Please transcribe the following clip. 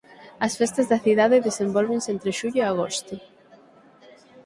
As festas da cidade desenvólvense entre xullo e agosto.